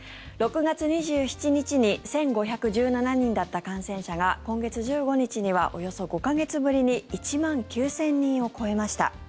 ６月２７日に１５１７人だった感染者が今月１５日にはおよそ５か月ぶりに１万９０００人を超えました。